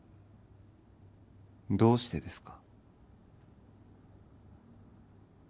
どうしてですか？